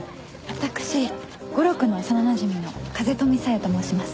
私悟郎君の幼なじみの風富小夜と申します。